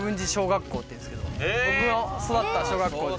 僕の育った小学校です。